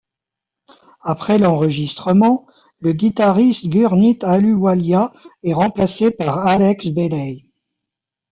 Après l'enregistrement, le guitariste Gurneet Ahluwalia est remplacé par Alex Bailey.